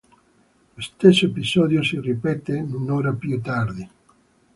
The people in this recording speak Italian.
Lo stesso episodio si ripeté un'ora più tardi.